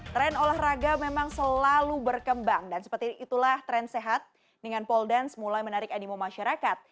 tren olahraga memang selalu berkembang dan seperti itulah tren sehat dengan pole dance mulai menarik animo masyarakat